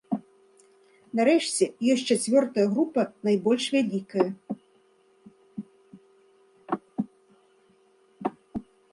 Нарэшце, ёсць чацвёртая група, найбольш вялікая.